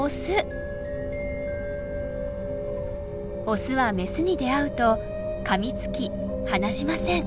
オスはメスに出会うとかみつき離しません。